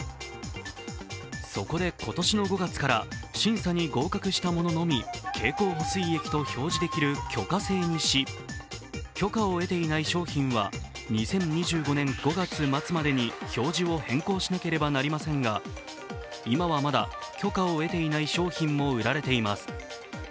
そこで今年の５月から、審査に合格したもののみ、経口補水液と表示できる許可制にし許可を得ていない商品は、２０２５年５月末までに表示を変更しなければなりませんが、今はまだ許可を得ていない商品も売られています。